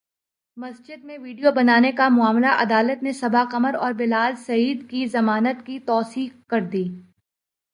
مسجد میں ویڈیو بنانے کا معاملہ عدالت نے صبا قمر اور بلال سعید کی ضمانت کی توثیق کردی